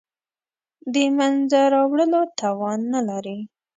د منځته راوړلو توان نه لري.